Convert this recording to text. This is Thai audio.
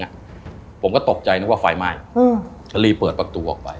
ฮือผมก็ตกใจว่าไฟไม้อืม